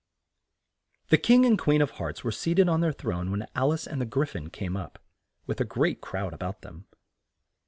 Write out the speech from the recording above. The King and Queen of Hearts were seat ed on their throne when Al ice and the Gry phon came up, with a great crowd a bout them.